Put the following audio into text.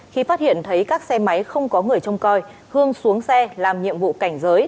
khi phát hiện thấy các xe máy không có người trông coi hương xuống xe làm nhiệm vụ cảnh giới